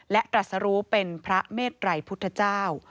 และตรัสรู้เป็นพระเมตรัยพุทธเจ้า